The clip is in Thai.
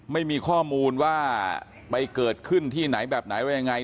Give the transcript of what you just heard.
ไม่มีข้อมูลว่าไปเกิดขึ้นที่ไหนแบบไหนอะไรยังไง